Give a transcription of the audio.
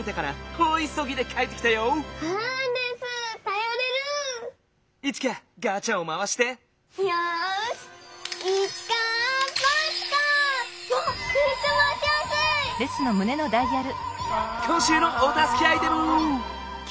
こんしゅうのおたすけアイテム。